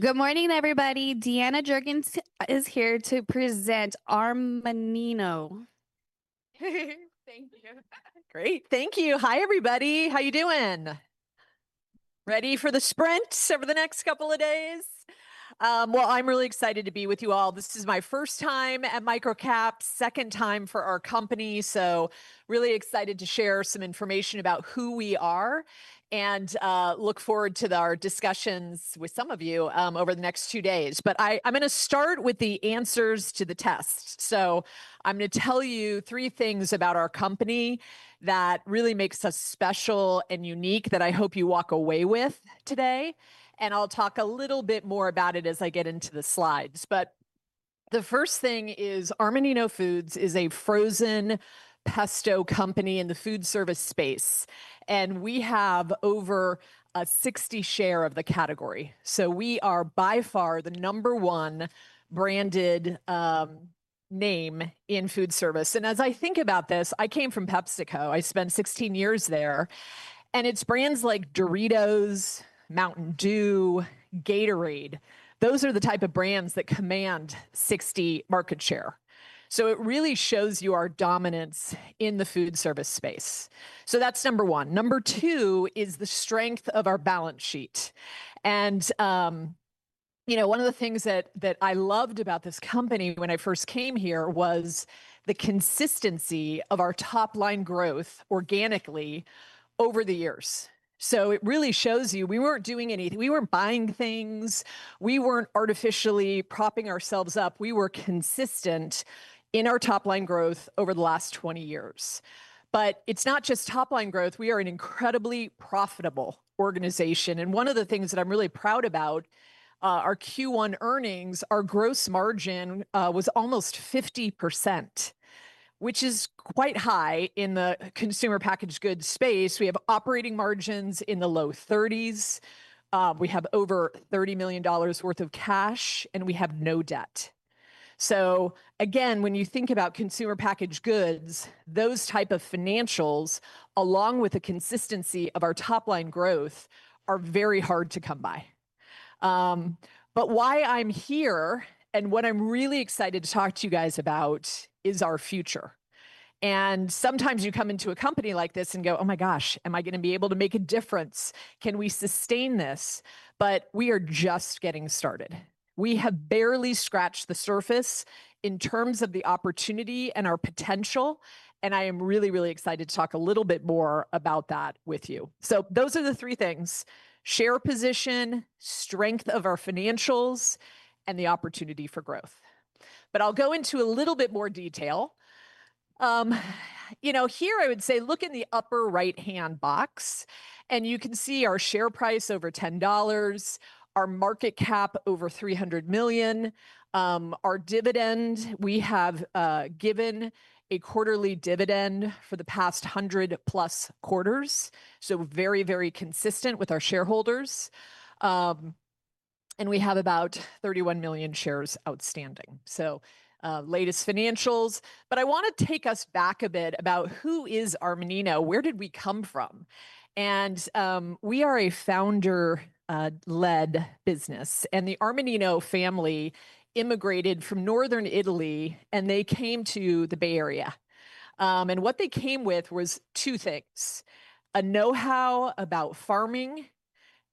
Good morning, everybody. Deanna Jurgens is here to present Armanino. Thank you. Great. Thank you. Hi, everybody. How you doing? Ready for the sprint over the next couple of days? Well, I'm really excited to be with you all. This is my first time at MicroCap, second time for our company, really excited to share some information about who we are, and look forward to our discussions with some of you over the next two days. I'm going to start with the answers to the test. I'm going to tell you three things about our company that really makes us special and unique that I hope you walk away with today, and I'll talk a little bit more about it as I get into the slides. The first thing is Armanino Foods is a frozen pesto company in the food service space, and we have over a 60 share of the category. We are by far the number one branded name in food service. As I think about this, I came from PepsiCo. I spent 16 years there. It's brands like Doritos, Mountain Dew, Gatorade. Those are the type of brands that command 60 market share. It really shows you our dominance in the food service space. That's number one. Number two is the strength of our balance sheet. One of the things that I loved about this company when I first came here was the consistency of our top-line growth organically over the years. It really shows you we weren't doing anything. We weren't buying things. We weren't artificially propping ourselves up. We were consistent in our top-line growth over the last 20 years. It's not just top-line growth. We are an incredibly profitable organization, and one of the things that I'm really proud about our Q1 earnings, our gross margin was almost 50%, which is quite high in the consumer packaged goods space. We have operating margins in the low 30s. We have over $30 million worth of cash, and we have no debt. Again, when you think about consumer packaged goods, those type of financials, along with the consistency of our top-line growth, are very hard to come by. Why I'm here and what I'm really excited to talk to you guys about is our future. Sometimes you come into a company like this and go, "Oh my gosh, am I going to be able to make a difference? Can we sustain this?" We are just getting started. We have barely scratched the surface in terms of the opportunity and our potential, I am really, really excited to talk a little bit more about that with you. Those are the three things, share position, strength of our financials, and the opportunity for growth. I'll go into a little bit more detail. Here, I would say look in the upper right-hand box, you can see our share price over $10, our market cap over $300 million. Our dividend, we have given a quarterly dividend for the past 100-plus quarters, so very, very consistent with our shareholders. We have about 31 million shares outstanding. Latest financials. I want to take us back a bit about who is Armanino? Where did we come from? We are a founder-led business, the Armanino family immigrated from northern Italy, they came to the Bay Area. What they came with was two things, a know-how about farming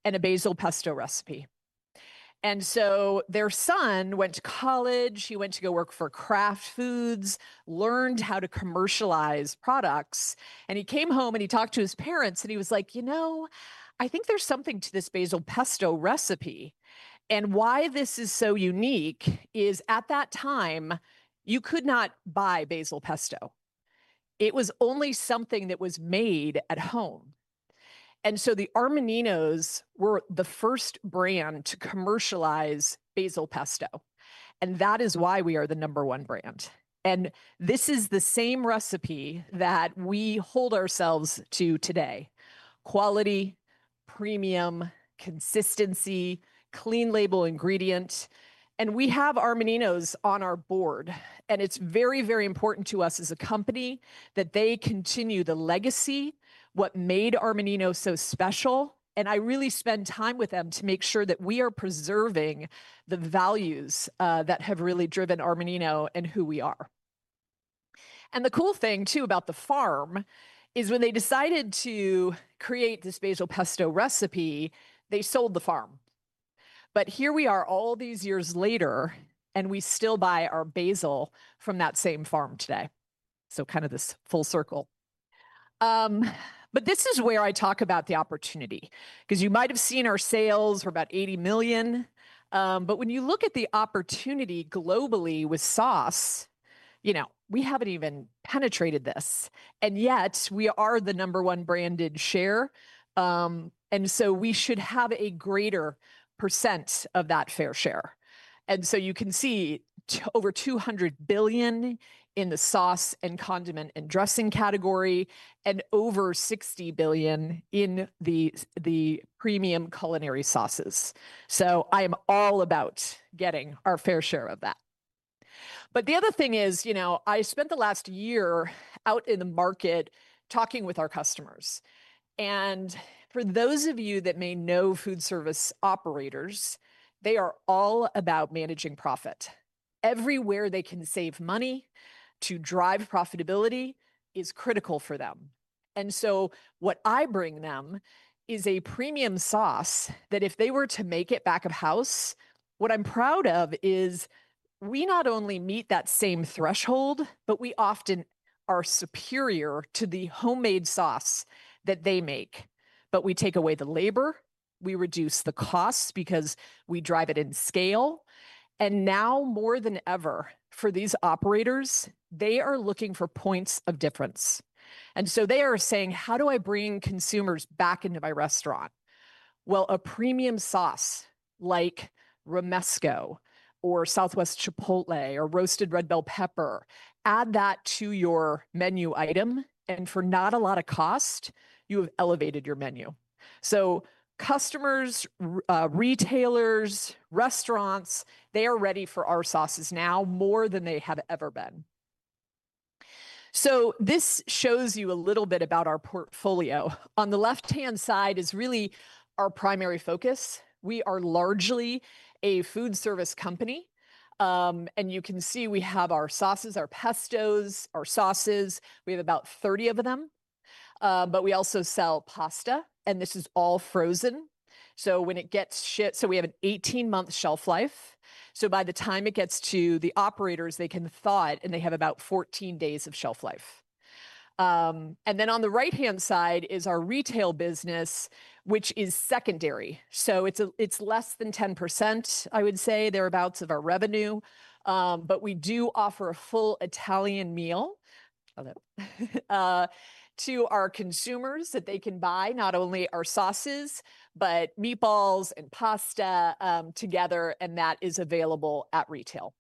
and a basil pesto recipe. Their son went to college. He went to go work for Kraft Foods, learned how to commercialize products, he came home and he talked to his parents, he was like, "You know, I think there's something to this basil pesto recipe." Why this is so unique is at that time, you could not buy basil pesto. It was only something that was made at home. The Armaninos were the first brand to commercialize basil pesto, that is why we are the number 1 brand. This is the same recipe that we hold ourselves to today, quality, premium, consistency, clean-label ingredients. We have Armaninos on our board, it's very important to us as a company that they continue the legacy, what made Armanino so special. I really spend time with them to make sure that we are preserving the values that have really driven Armanino and who we are. The cool thing too about the farm is when they decided to create this basil pesto recipe, they sold the farm. Here we are all these years later, we still buy our basil from that same farm today. Kind of this full circle. This is where I talk about the opportunity, because you might have seen our sales were about $80 million. When you look at the opportunity globally with sauce, we haven't even penetrated this, yet we are the number one branded share. We should have a greater percent of that fair share. You can see over $200 billion in the sauce and condiment and dressing category and over $60 billion in the premium culinary sauces. I am all about getting our fair share of that. The other thing is, I spent the last year out in the market talking with our customers. For those of you that may know food service operators, they are all about managing profit. Everywhere they can save money to drive profitability is critical for them. What I bring them is a premium sauce that if they were to make it back of house, what I'm proud of is we not only meet that same threshold, but we often are superior to the homemade sauce that they make. We take away the labor, we reduce the costs because we drive it in scale, now more than ever, for these operators, they are looking for points of difference. They are saying: How do I bring consumers back into my restaurant? Well, a premium sauce like Romesco or Southwest Chipotle or Roasted Red Bell Pepper, add that to your menu item, and for not a lot of cost, you have elevated your menu. Customers, retailers, restaurants, they are ready for our sauces now more than they have ever been. This shows you a little bit about our portfolio. On the left-hand side is really our primary focus. We are largely a food service company. You can see we have our sauces, our pestos, our sauces. We have about 30 of them. We also sell pasta, and this is all frozen. We have an 18-month shelf life, so by the time it gets to the operators, they can thaw it, and they have about 14 days of shelf life. On the right-hand side is our retail business, which is secondary. It's less than 10%, I would say, thereabouts, of our revenue, but we do offer a full Italian meal, although to our consumers that they can buy not only our sauces, but meatballs and pasta together, and that is available at retail.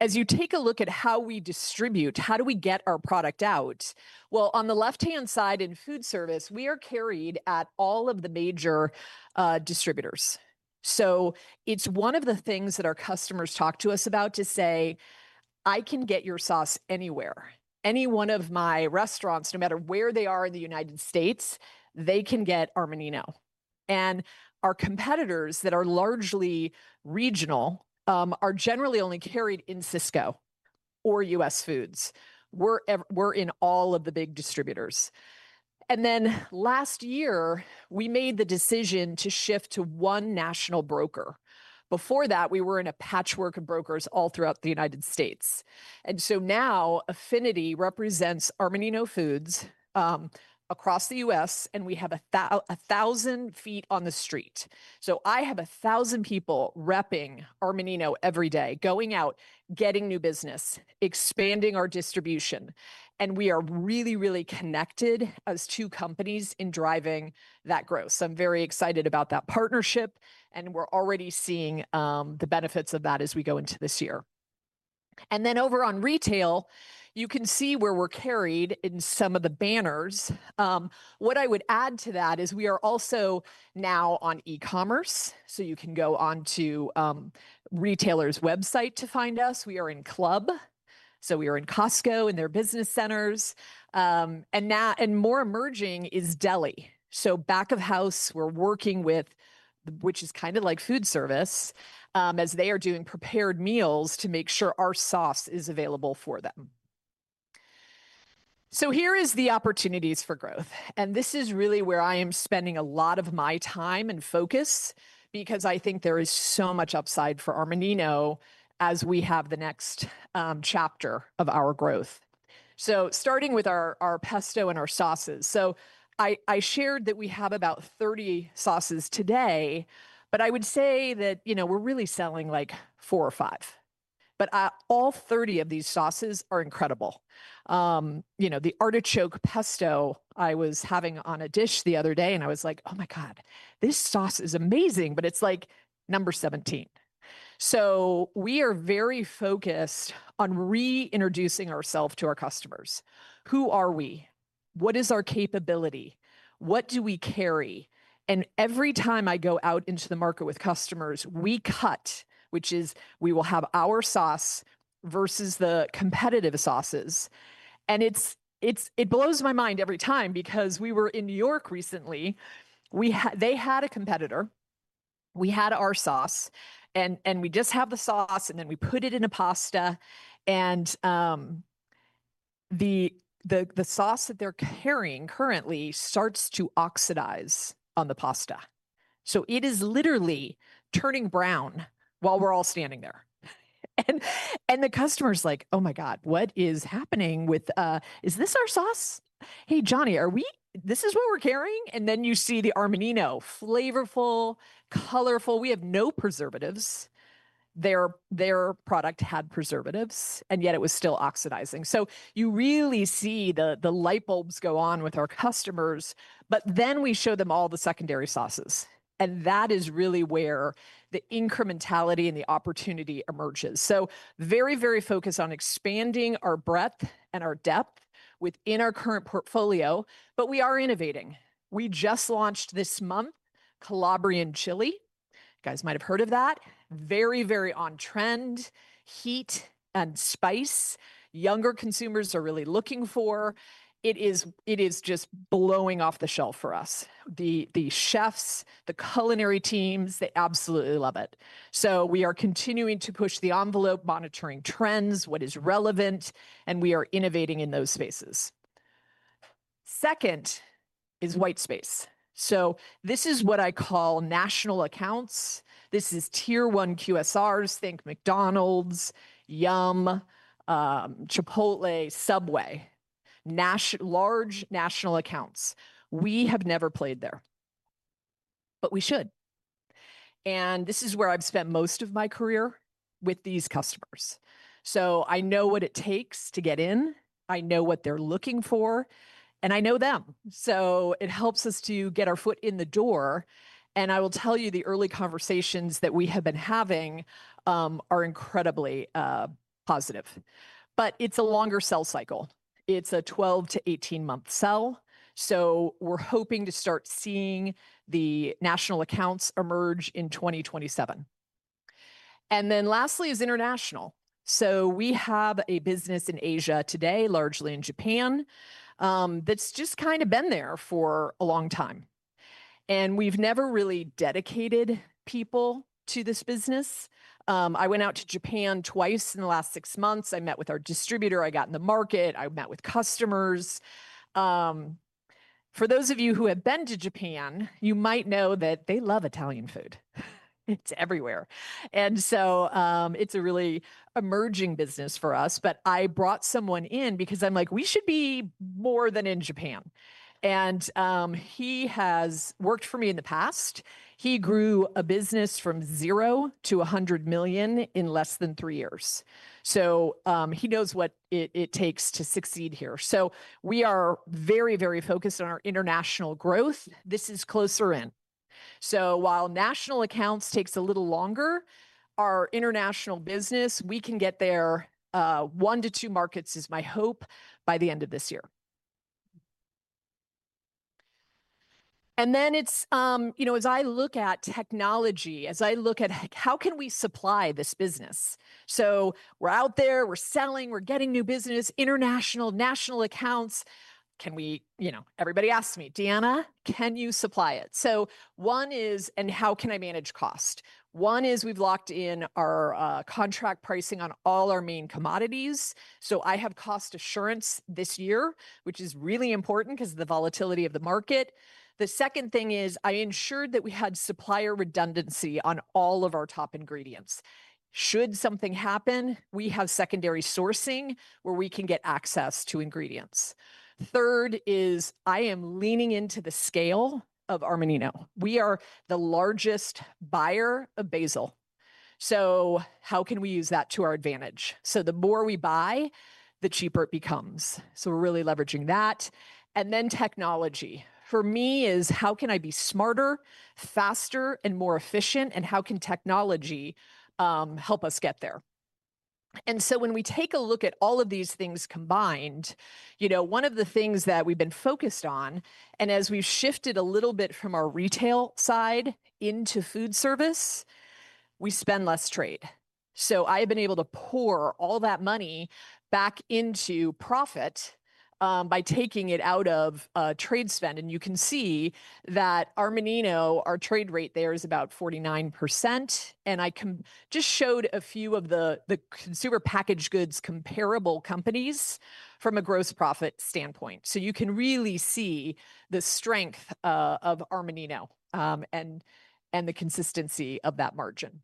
As you take a look at how we distribute, how do we get our product out? On the left-hand side, in food service, we are carried at all of the major distributors. It's one of the things that our customers talk to us about to say, "I can get your sauce anywhere. Any one of my restaurants, no matter where they are in the U.S., they can get Armanino. Our competitors that are largely regional are generally only carried in Sysco or US Foods. We're in all of the big distributors. Last year, we made the decision to shift to one national broker. Before that, we were in a patchwork of brokers all throughout the U.S. Now Affinity represents Armanino Foods across the U.S., and we have 1,000 feet on the street. I have 1,000 people repping Armanino every day, going out, getting new business, expanding our distribution, and we are really, really connected as two companies in driving that growth. I'm very excited about that partnership, and we're already seeing the benefits of that as we go into this year. Over on retail, you can see where we're carried in some of the banners. What I would add to that is we are also now on e-commerce, so you can go onto a retailer's website to find us. We are in Club. We are in Costco, in their business centers. More emerging is deli. Back of house we're working with, which is kind of like food service, as they are doing prepared meals to make sure our sauce is available for them. Here is the opportunities for growth, and this is really where I am spending a lot of my time and focus because I think there is so much upside for Armanino as we have the next chapter of our growth. Starting with our pesto and our sauces. I shared that we have about 30 sauces today, but I would say that we're really selling four or five. All 30 of these sauces are incredible. The Artichoke Pesto I was having on a dish the other day, and I was like, "Oh my God, this sauce is amazing," but it's number 17. We are very focused on re-introducing ourself to our customers. Who are we? What is our capability? What do we carry? Every time I go out into the market with customers, we cut, which is we will have our sauce versus the competitive sauces. It blows my mind every time because we were in New York recently. They had a competitor, we had our sauce, we just have the sauce, we put it in a pasta, the sauce that they're carrying currently starts to oxidize on the pasta. It is literally turning brown while we're all standing there. The customer's like, "Oh my God, what is happening with-- Is this our sauce? Hey, Johnny, this is what we're carrying?" Then you see the Armanino. Flavorful, colorful. We have no preservatives. Their product had preservatives, and yet it was still oxidizing. You really see the light bulbs go on with our customers. We show them all the secondary sauces, that is really where the incrementality and the opportunity emerges. Very, very focused on expanding our breadth and our depth within our current portfolio, we are innovating. We just launched this month Calabrian chili. You guys might have heard of that. Very on-trend heat and spice, younger consumers are really looking for. It is just blowing off the shelf for us. The chefs, the culinary teams, they absolutely love it. We are continuing to push the envelope, monitoring trends, what is relevant, we are innovating in those spaces. Second is white space. This is what I call national accounts. This is tier 1 QSRs, think McDonald's, Yum, Chipotle, Subway, large national accounts. We have never played there, we should. This is where I've spent most of my career with these customers. I know what it takes to get in, I know what they're looking for, I know them. It helps us to get our foot in the door; I will tell you the early conversations that we have been having are incredibly positive. It's a longer sell cycle. It's a 12-18-month sell. We're hoping to start seeing the national accounts emerge in 2027. Lastly is international. We have a business in Asia today, largely in Japan, that's just kind of been there for a long time, we've never really dedicated people to this business. I went out to Japan twice in the last six months. I met with our distributor, I got in the market, I met with customers. For those of you who have been to Japan, you might know that they love Italian food. It's everywhere. It's a really emerging business for us, but I brought someone in because I'm like, "We should be more than in Japan." He has worked for me in the past. He grew a business from 0 to $100 million in less than three years. He knows what it takes to succeed here. We are very focused on our international growth. This is closer in. While national accounts take a little longer, our international business, we can get there, one to two markets is my hope, by the end of this year. As I look at technology, as I look at how can we supply this business. We're out there, we're selling, we're getting new business, international, national accounts. Everybody asks me, "Deanna, can you supply it?" How can I manage cost? One is we've locked in our contract pricing on all our main commodities. I have cost assurance this year, which is really important because of the volatility of the market. The second thing is I ensured that we had supplier redundancy on all of our top ingredients. Should something happen, we have secondary sourcing where we can get access to ingredients. Third is I am leaning into the scale of Armanino. We are the largest buyer of basil. How can we use that to our advantage? The more we buy, the cheaper it becomes. We're really leveraging that. Technology for me is how can I be smarter, faster, and more efficient, and how can technology help us get there? When we take a look at all of these things combined, one of the things that we've been focused on, and as we've shifted a little bit from our retail side into food service, we spend less trade. I've been able to pour all that money back into profit, by taking it out of trade spend. You can see that Armanino, our trade rate there is about 49%, and I just showed a few of the consumer packaged goods comparable companies from a gross profit standpoint. You can really see the strength of Armanino, and the consistency of that margin.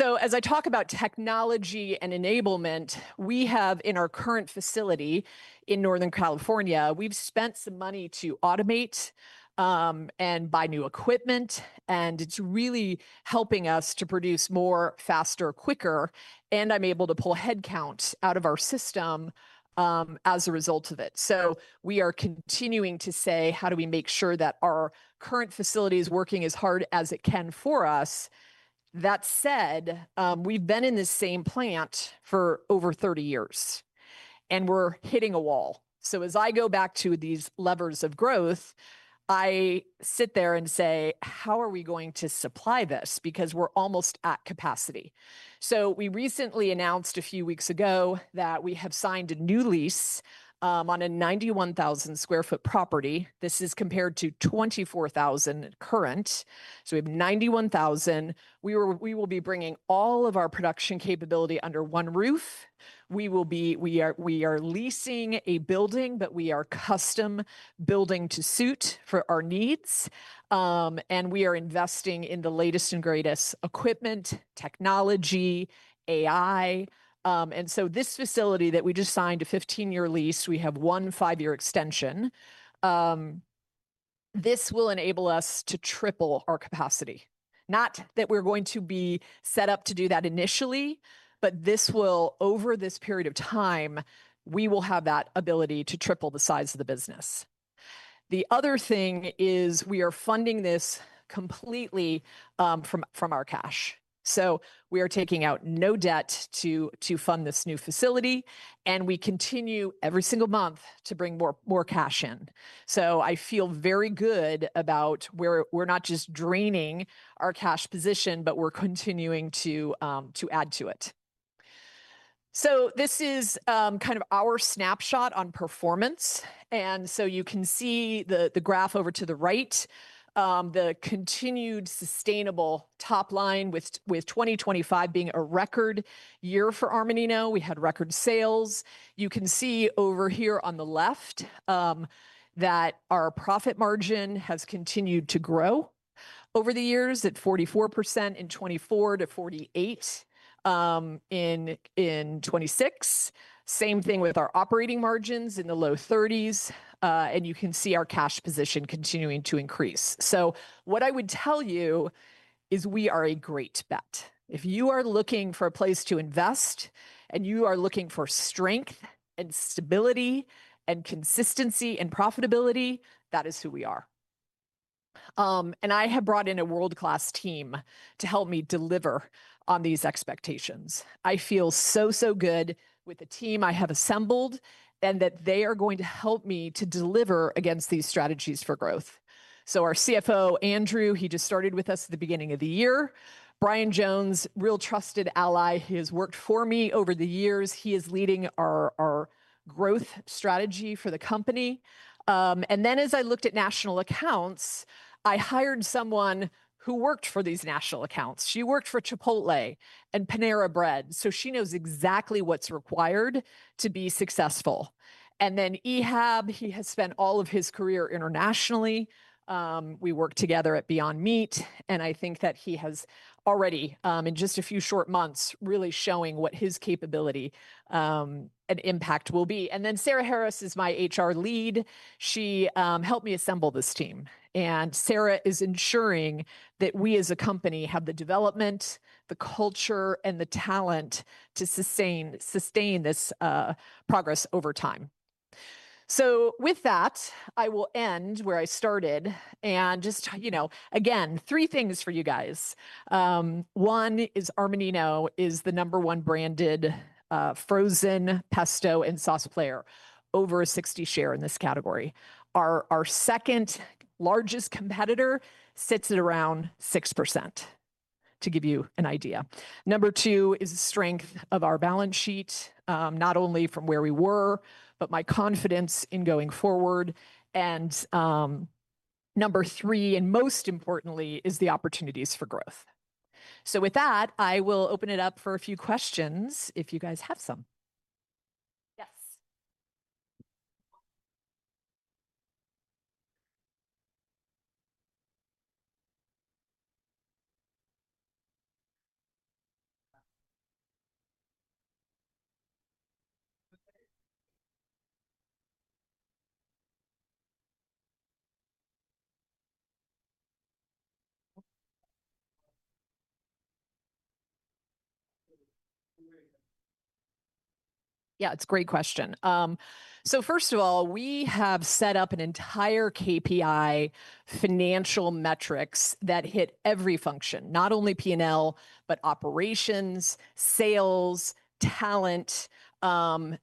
As I talk about technology and enablement, we have in our current facility in Northern California, we've spent some money to automate, buy new equipment, it's really helping us to produce more faster, quicker, I'm able to pull headcount out of our system, as a result of it. We are continuing to say how do we make sure that our current facility is working as hard as it can for us. That said, we've been in the same plant for over 30 years, and we're hitting a wall. As I go back to these levers of growth, I sit there and say: How are we going to supply this? Because we're almost at capacity. We recently announced a few weeks ago that we have signed a new lease, on a 91,000 sq ft property. This is compared to 24,000 at current. We have 91,000. We will be bringing all of our production capability under one roof. We are leasing a building, but we are custom building to suit for our needs. We are investing in the latest and greatest equipment, technology, AI. This facility that we just signed a 15-year lease, we have one five-year extension. This will enable us to triple our capacity. Not that we're going to be set up to do that initially, but over this period of time, we will have that ability to triple the size of the business. The other thing is we are funding this completely from our cash. We are taking out no debt to fund this new facility, and we continue every single month to bring more cash in. I feel very good about we're not just draining our cash position, but we're continuing to add to it. This is our snapshot on performance. You can see the graph over to the right, the continued sustainable top line with 2025 being a record year for Armanino. We had record sales. You can see over here on the left that our profit margin has continued to grow over the years at 44% in 2024 to 48% in 2026. Same thing with our operating margins in the low 30s. You can see our cash position continuing to increase. What I would tell you is we are a great bet. If you are looking for a place to invest, and you are looking for strength and stability and consistency and profitability, that is who we are. I have brought in a world-class team to help me deliver on these expectations. I feel so good with the team I have assembled, and that they are going to help me to deliver against these strategies for growth. Our CFO, Andrew, he just started with us at the beginning of the year. Brian Jones, real trusted ally. He has worked for me over the years. He is leading our growth strategy for the company. Then as I looked at national accounts, I hired someone who worked for these national accounts. She worked for Chipotle and Panera Bread, so she knows exactly what's required to be successful. Then Ehab, he has spent all of his career internationally. We worked together at Beyond Meat, and I think that he has already, in just a few short months, really showing what his capability and impact will be. Then Sarah Harris is my HR lead. She helped me assemble this team, Sarah is ensuring that we as a company have the development, the culture, and the talent to sustain this progress over time. With that, I will end where I started and just, again, three things for you guys. Number one is Armanino is the number one branded frozen pesto and sauce player, over a 60 share in this category. Our second-largest competitor sits at around 6%, to give you an idea. Number two is the strength of our balance sheet, not only from where we were, but my confidence in going forward. Number three, and most importantly, is the opportunities for growth. With that, I will open it up for a few questions if you guys have some. Yes. Yeah, it's a great question. First of all, we have set up an entire KPI financial metrics that hit every function, not only P&L, but operations, sales, talent.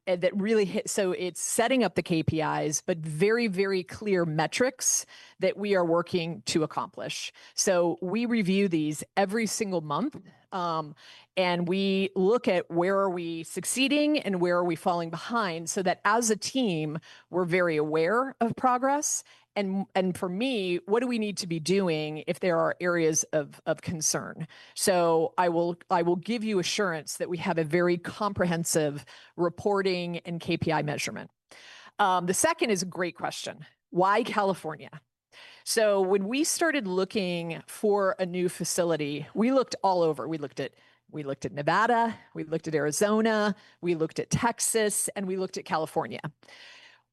It's setting up the KPIs, but very clear metrics that we are working to accomplish. We review these every single month, and we look at where are we succeeding and where are we falling behind, so that as a team, we're very aware of progress. For me, what do we need to be doing if there are areas of concern? I will give you assurance that we have a very comprehensive reporting and KPI measurement. The second is a great question. Why California? When we started looking for a new facility, we looked all over. We looked at Nevada, we looked at Arizona, we looked at Texas, and we looked at California.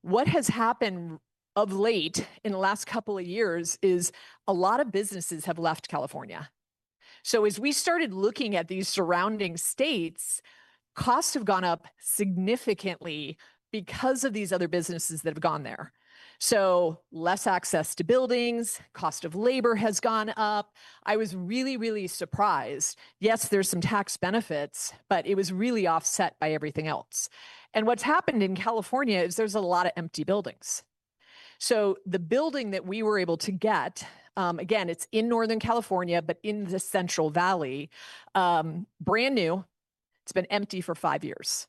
What has happened of late in the last couple of years is a lot of businesses have left California. As we started looking at these surrounding states, costs have gone up significantly because of these other businesses that have gone there. Less access to buildings, cost of labor has gone up. I was really surprised. Yes, there's some tax benefits, but it was really offset by everything else. What's happened in California is there's a lot of empty buildings. The building that we were able to get, again, it's in Northern California, but in the Central Valley, brand new, it's been empty for five years.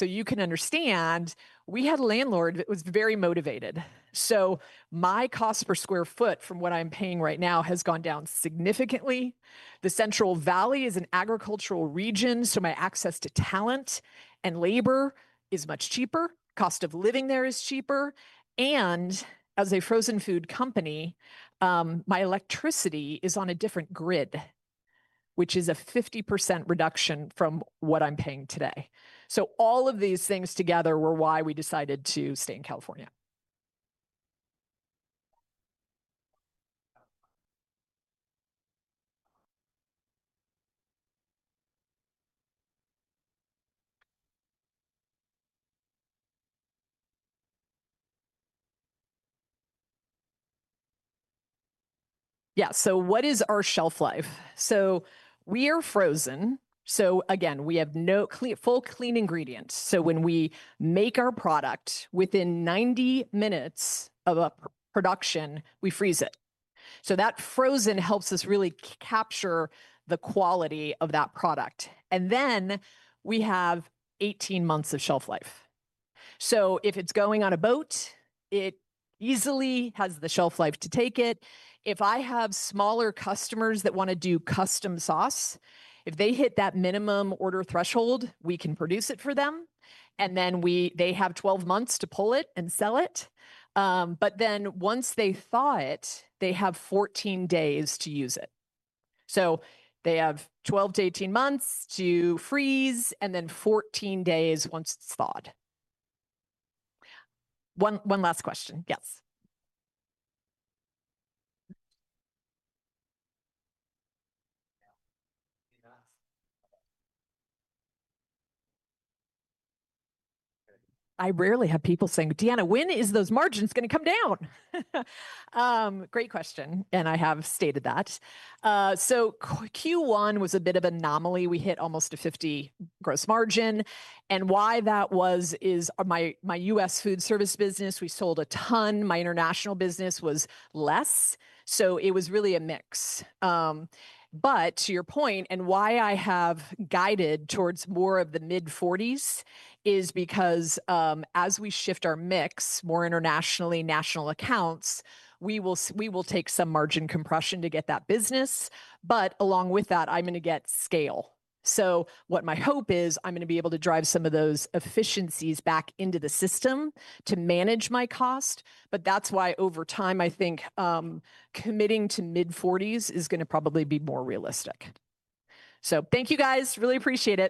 You can understand, we had a landlord that was very motivated. My cost per square foot from what I'm paying right now has gone down significantly. The Central Valley is an agricultural region, my access to talent and labor is much cheaper. Cost of living there is cheaper. As a frozen food company, my electricity is on a different grid, which is a 50% reduction from what I'm paying today. All of these things together were why we decided to stay in California. What is our shelf life? We are frozen. Again, we have full clean ingredients. When we make our product, within 90 minutes of production, we freeze it. That frozen helps us really capture the quality of that product. Then we have 18 months of shelf life. If it's going on a boat, it easily has the shelf life to take it. If I have smaller customers that want to do custom sauce, if they hit that minimum order threshold, we can produce it for them. Then they have 12 months to pull it and sell it. Then once they thaw it, they have 14 days to use it. They have 12-18 months to freeze and then 14 days once it's thawed. One last question. Yes. I rarely have people saying, "Deanna, when is those margins going to come down?" Great question, and I have stated that. Q1 was a bit of anomaly. We hit almost a 50% gross margin. Why that was is my U.S. food service business, we sold a ton. My international business was less. It was really a mix. To your point, and why I have guided towards more of the mid-40% is because as we shift our mix more internationally, national accounts, we will take some margin compression to get that business, but along with that, I'm going to get scale. What my hope is I'm going to be able to drive some of those efficiencies back into the system to manage my cost, but that's why over time, I think committing to mid-40% is going to probably be more realistic. Thank you, guys. Really appreciate it